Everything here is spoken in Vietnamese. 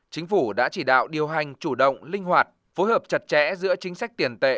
chính phủ đã chỉ đạo điều hành chủ động linh hoạt phối hợp chặt chẽ giữa chính sách tiền tệ